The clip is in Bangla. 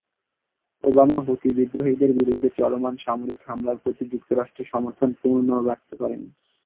ওবামা হুতি বিদ্রোহীদের বিরুদ্ধে চলমান সামরিক হামলার প্রতি যুক্তরাষ্ট্রের সমর্থন পুনর্ব্যক্ত করেন।